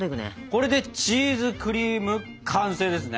これでチーズクリーム完成ですね！